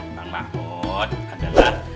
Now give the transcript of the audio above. bang mahmud adalah